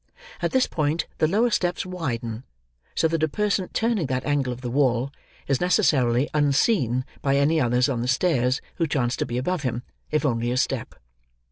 At this point the lower steps widen: so that a person turning that angle of the wall, is necessarily unseen by any others on the stairs who chance to be above him, if only a step.